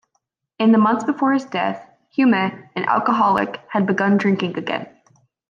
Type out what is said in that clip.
In the months before his death, Hume, an alcoholic, had begun drinking again.